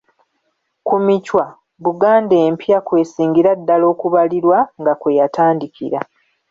Ku Michwa Buganda Empya kw'esingira ddala okubalirwa nga kwe yatandikira.